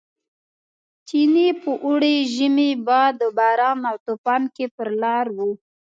چیني په اوړي، ژمي، باد و باران او توپان کې پر لار و.